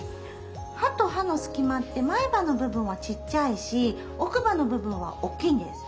歯と歯の隙間って前歯の部分はちっちゃいし奥歯の部分はおっきいんです。